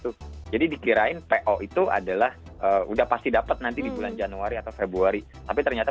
tuh jadi dikirain po itu adalah udah pasti dapat nanti di bulan januari atau februari tapi ternyata